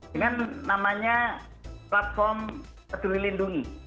dengan namanya platform peduli lindungi